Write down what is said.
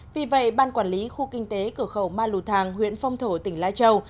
vì vậy ban quản lý khu kinh tế cửa khẩu ma lù thàng huyện phong thổ tỉnh lai châu